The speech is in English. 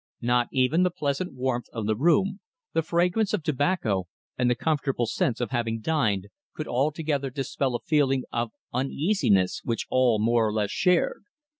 Not even the pleasant warmth of the room, the fragrance of tobacco, and the comfortable sense of having dined, could altogether dispel a feeling of uneasiness which all more or less shared.